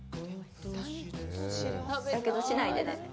やけどしないでね。